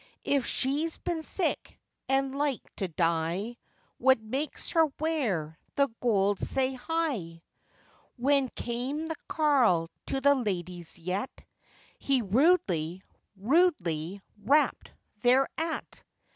'If she's been sick, and like to die, What makes her wear the gold sae high?' When came the Carl to the lady's yett, He rudely, rudely rapped thereat.